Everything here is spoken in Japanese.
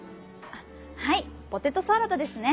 はい「ポテトサラダ」ですね。